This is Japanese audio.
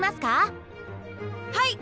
はい！